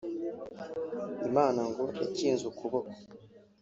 Imana ngo yakinze ukuboko